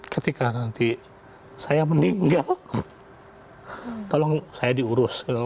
ketika nanti saya meninggal tolong saya diurus